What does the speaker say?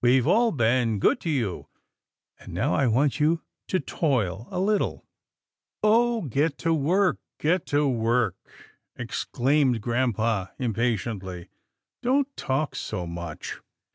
We've all been good to you, and now I want you to toil a little." " Oh get to work — get to work," exclaimed grampa impatiently. " Don't talk so much."